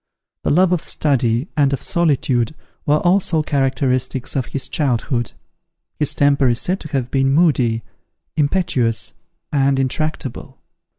The love of study and of solitude were also characteristics of his childhood. His temper is said to have been moody, impetuous, and intractable.